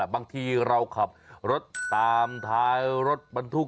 บางทีเราขับรถตามท้ายรถบรรทุก